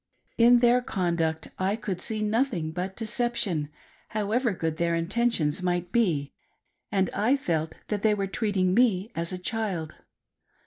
, In their conduct I could see nothing but deception, however good their intentions might be, and I felt that they were treating me as a child.